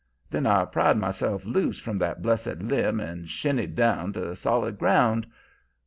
Then I pried myself loose from that blessed limb and shinned down to solid ground.